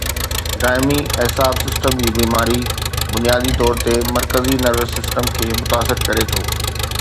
دائمي اعصاب سسٽم جي بيماري بنيادي طور تي مرڪزي نروس سسٽم کي متاثر ڪري ٿو